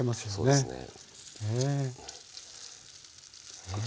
そうですね。